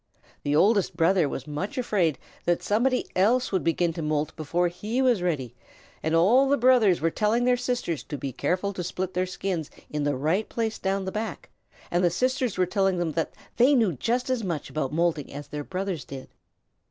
The Oldest Brother was much afraid that somebody else would begin to moult before he was ready, and all the brothers were telling their sisters to be careful to split their skins in the right place down the back, and the sisters were telling them that they knew just as much about moulting as their brothers did.